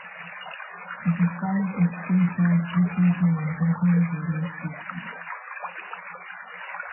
The song is still heard frequently on German radio stations.